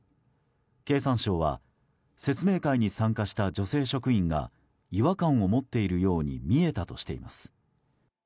経産省は説明会に参加した女性職員が違和感を持っているように見えたとしています。